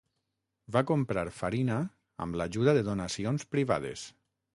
Va comprar farina amb l'ajuda de donacions privades.